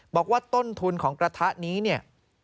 บอกว่าต้นทุนของกระทะนี้